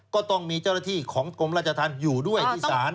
ก็ต้องมีเจ้ารชิตกรมราชธรรมอยู่ด้วยที่ศาล